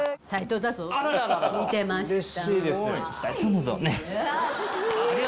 見てました。